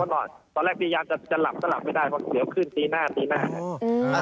ตอนแรกพยายามจะหลับไม่ได้เพราะเดี๋ยวขึ้นตีหน้าตีหน้าครับ